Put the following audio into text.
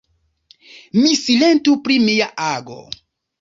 Mi silentu pri mia ago.